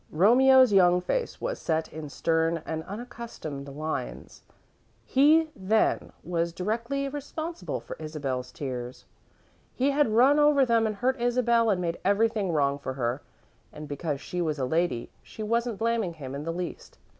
Romeo's young face was set in stern and unaccustomed lines. He, then, was directly responsible for Isabel's tears. He had run over them and hurt Isabel and made everything wrong for her, and, because she was a lady, she wasn't blaming him in the least.